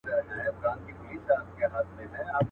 هغه چي ګرځی سوداګر دی په ونه غولیږی.